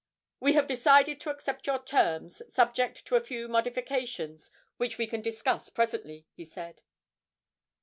'We have decided to accept your terms, subject to a few modifications which we can discuss presently,' he said.